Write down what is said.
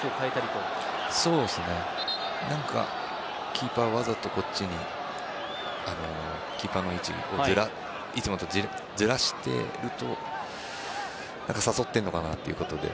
キーパーがわざとこっちにキーパーの位置をいつもとずらしていると誘ってるのかなということで。